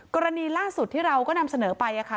กรณีล่าสุดที่เราก็นำเสนอไปค่ะ